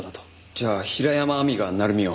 じゃあ平山亜美が鳴海を。